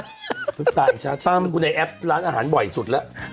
กระพริบตาอย่างเช้าคุณไอ้แอ๊บร้านอาหารบ่อยสุดแล้ว